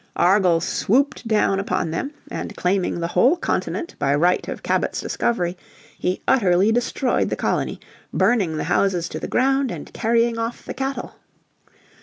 Argall swooped down upon them, and claiming the whole continent by right of Cabot's discovery, he utterly destroyed the colony, burning the houses to the ground, and carrying off the cattle.